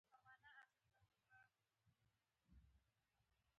د کلي خلک ښه او میلمه پال دي